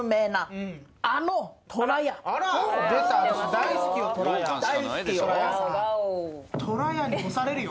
大好きよ。